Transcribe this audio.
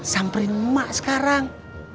samperin emak sekarang